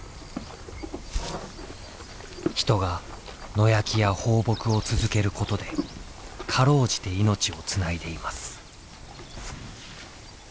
人が野焼きや放牧を続けることで辛うじて命をつないでいます。